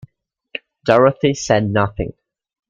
Dorothy said nothing.